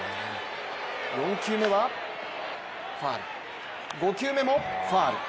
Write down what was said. ４球目はファウル、５球目もファウル。